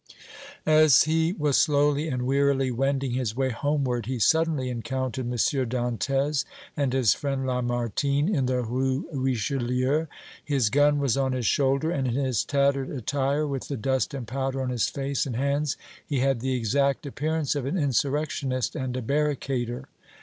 As he was slowly and wearily wending his way homeward, he suddenly encountered M. Dantès and his friend Lamartine in the Rue Richelieu; his gun was on his shoulder, and in his tattered attire, with the dust and powder on his face and hands, he had the exact appearance of an insurrectionist and a barricader.